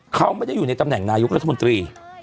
เขาไม่ได้อยู่ในตำแหน่งนายกรัฐมนตรี